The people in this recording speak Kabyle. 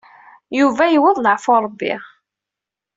Yuba yewweḍ leɛfu n Ṛebbi.